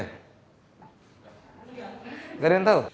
nggak ada yang tahu